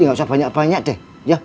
nggak usah banyak banyak deh